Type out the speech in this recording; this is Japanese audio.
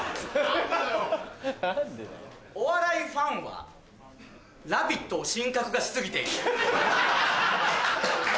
お笑いファンは『ラヴィット！』を神格化過ぎている。